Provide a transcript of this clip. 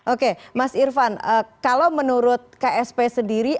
oke mas irfan kalau menurut ksp sendiri